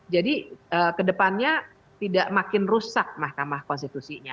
jadi kedepannya tidak makin rusak mahkamah konstitusinya